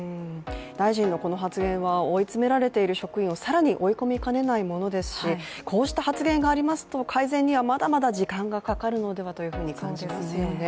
大臣のこの発言は追い詰められている職員を更に追い込みかねないものですし、こうした発言がありますと、改善にはまだまだ時間がかかるのではというふうに感じますよね。